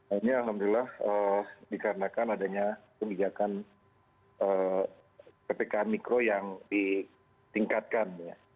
akhirnya alhamdulillah dikarenakan adanya penerbangan ppkm mikro yang ditingkatkan